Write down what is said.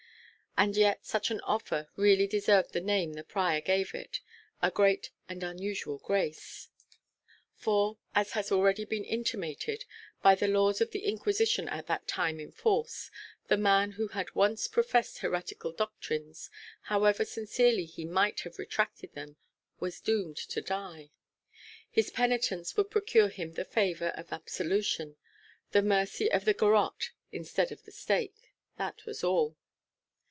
And yet such an offer really deserved the name the prior gave it a great and unusual grace. For, as has been already intimated, by the laws of the Inquisition at that time in force, the man who had once professed heretical doctrines, however sincerely he might have retracted them, was doomed to die. His penitence would procure him the favour of absolution the mercy of the garotte instead of the stake; that was all.